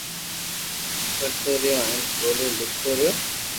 ڪرتو رھيو ھين ٻولي لکتو رھيو